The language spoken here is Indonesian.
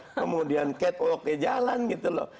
kemudian catwalk nya jalan gitu loh